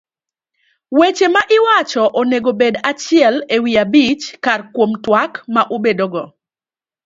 Weche ma iwacho onego obed achiel ewi abich kar kuom twak ma ubedogo.